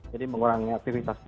jadi mengurangi aktivitasnya